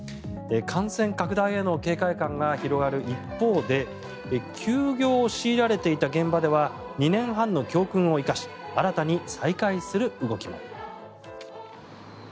感染拡大への警戒感が広がる一方で休業を強いられていた現場では２年半の教訓を生かし新たに再開する動きも。